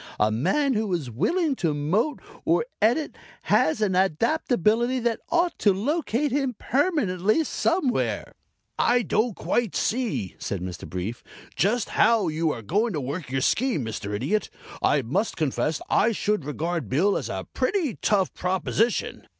A man who is willing to mote or Edit has an adaptability that ought to locate him permanently somewhere." "I don't quite see," said Mr. Brief, "just how you are going to work your scheme, Mr. Idiot. I must confess I should regard Bill as a pretty tough proposition."